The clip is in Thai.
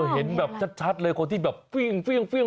เห็นแบบชัดเลยคนที่แบบเฟี่ยง